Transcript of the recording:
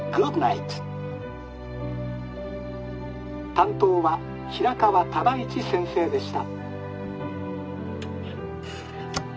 「担当は平川唯一先生でした」。